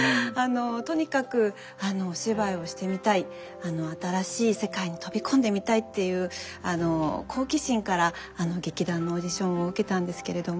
とにかくお芝居をしてみたい新しい世界に飛び込んでみたいっていう好奇心から劇団のオーディションを受けたんですけれども。